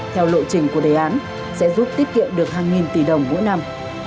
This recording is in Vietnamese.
theo lộ trình của đề án sẽ giúp tiết kiệm được hàng nghìn tỷ đồng mỗi năm